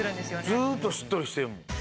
ずっとしっとりしてるもん。